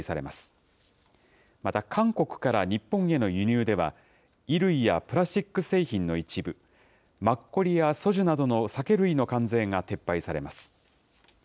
また韓国から日本への輸入では、衣類やプラスチック製品の一部、マッコリやソジュなどの酒類の関税が撤廃されます。